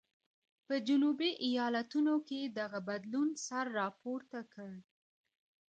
په جنوبي ایالتونو کې دغه بدلون سر راپورته کړ.